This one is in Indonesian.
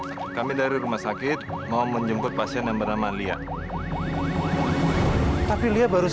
tapi kamu kayak industri paling dengan mulut asli lah